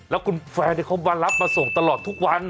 แล้วคุณแฟนเขามารับมาส่งตลอดทุกวัน